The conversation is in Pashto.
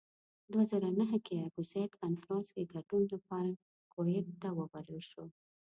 دوه زره نهه کې ابوزید کنفرانس کې ګډون لپاره کویت ته وبلل شو.